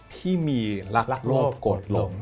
ที่มีรักโลกโกรธหลง